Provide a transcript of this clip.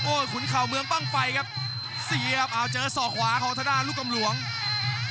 โอ้ขุนเข่าเมืองบ้างไฟครับเสียบอ้าวเจอส่อขวาคอร์ทดาลูกกำล่วง